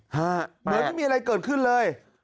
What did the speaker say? เหมือนไม่มีอะไรเกิดขึ้นเลย